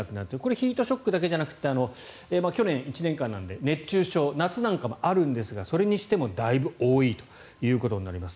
ヒートショックだけじゃなくて去年１年間なので熱中症、夏なんかもあるんですがそれにしてもだいぶ多いということになります。